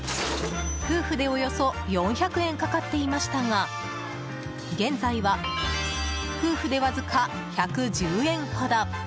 夫婦で、およそ４００円かかっていましたが現在は夫婦でわずか１１０円ほど。